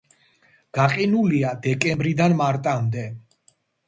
გაყინულია დეკემბრიდან მარტამდე.